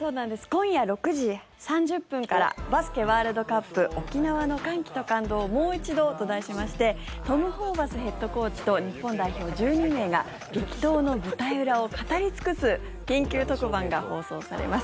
今夜６時３０分から「バスケワールドカップ沖縄の歓喜と感動をもう一度」と題しましてトム・ホーバスヘッドコーチと日本代表１２名が激闘の舞台裏を語り尽くす緊急特番が放送されます。